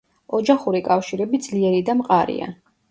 ოჯახური კავშირები ძლიერი და მყარია.